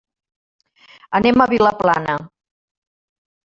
Anem a Vilaplana.